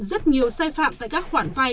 rất nhiều sai phạm tại các khoản vai